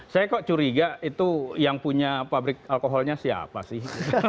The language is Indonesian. saya kok curiga itu yang punya pabrik alkoholnya siapa sih